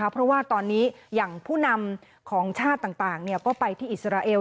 เพราะว่าตอนนี้อย่างผู้นำของชาติต่างก็ไปที่อิสราเอล